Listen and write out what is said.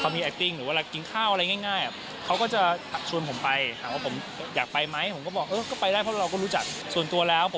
เขาแนะนำใครมาเราก็ไม่อย่างเดียวเลย